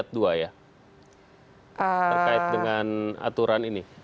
terkait dengan aturan ini